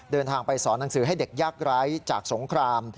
เดินทางไปสอนหนังสือให้เด็กยากไร้จากสงคราม